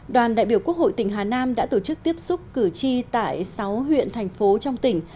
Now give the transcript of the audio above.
đoàn đại biểu quốc hội tỉnh hà nam đã tổ chức tiếp xúc cử tri tại sáu huyện thành phố trong tỉnh